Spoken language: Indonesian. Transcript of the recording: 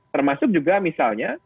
termasuk juga misalnya